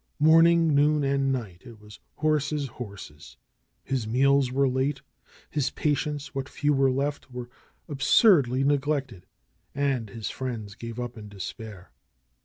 Morning, noon, and night, it was horses, horses. His meals were late ; his patients, what few were left, were absurdly neglected. And his friends gave up in de spair.